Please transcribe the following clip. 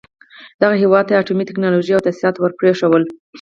دغه هېواد ته يې اټومي ټکنالوژۍ او تاسيسات ور پرېښول.